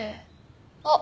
あっ。